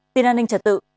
tin an ninh trật tự